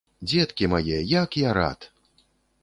Дзеткі мае, як я рад!